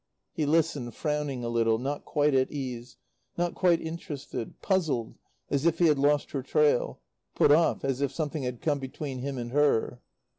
He listened, frowning a little, not quite at ease, not quite interested; puzzled, as if he had lost her trail; put off, as if something had come between him and her.